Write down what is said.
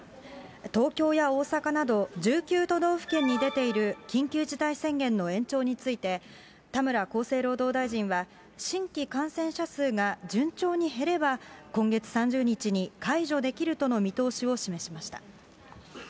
東京や大阪など、１９都道府県に出ている緊急事態宣言の延長について、田村厚生労働大臣は、新規感染者数が順調に減れば、今月３０日に解除できるとの見通しを示しました。